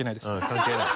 関係ない？